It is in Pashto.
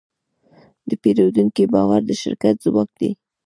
د پیرودونکي باور د شرکت ځواک دی.